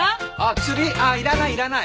薬？ああいらないいらない。